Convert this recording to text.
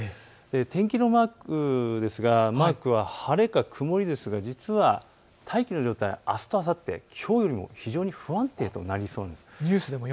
天気のマークですが晴れか曇りですが大気の状態、あすとあさってきょうよりも非常に不安定となりそうです。